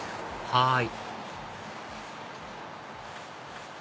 はい。